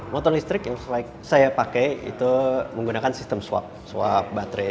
motor listrik yang selain saya pakai itu menggunakan sistem swap swap baterai